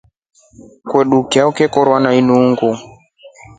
Kwamotu chao cha uruso chekorwa na nungu.